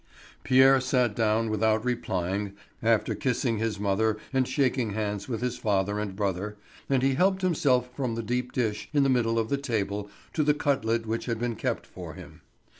Pierre sat down without replying, after kissing his mother and shaking hands with his father and brother; and he helped himself from the deep dish in the middle of the table to the cutlet which had been kept for him.